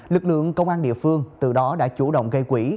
lực lượng công an địa phương từ đó đã chủ động gây quỹ